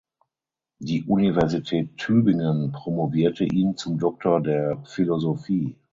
Die Universität Tübingen promovierte ihn zum Doktor der Philosophie.